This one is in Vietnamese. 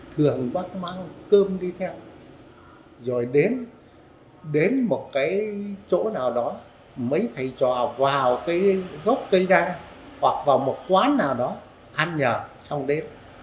thường bác mang cơm đi theo rồi đến một cái chỗ nào đó mấy thầy trò vào cái gốc cây ra hoặc vào một quán nào đó ăn nhờ xong đến